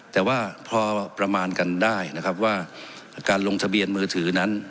แต่ว่าพอประมาณกันได้นะครับว่าการลงทะเบียนมือถือนั้น